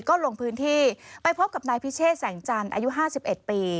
ก็ลงพื้นที่ไปพบกับนายพิเชษแสงจันทร์อายุ๕๑ปี